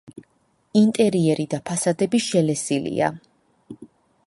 ინტერიერი და ფასადები შელესილია.